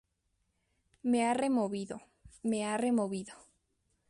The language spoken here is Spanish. me ha removido. me ha removido.